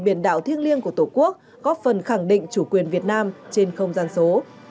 biển đảo thiêng liêng của tổ quốc góp phần khẳng định chủ quyền việt nam trên không gian số